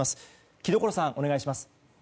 城所さん、お願いします。